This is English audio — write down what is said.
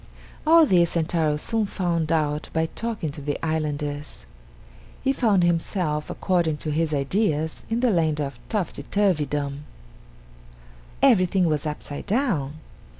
All this Sentaro soon found out by talking to the islanders. He found himself, according to his ideas, in the land of Topsy turvydom. Everything was upside down.